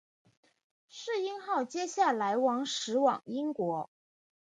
耆英号接下来驶往英国。